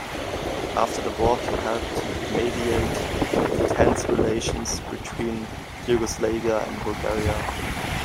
After the war, he helped mediate the tense relations between Yugoslavia and Bulgaria.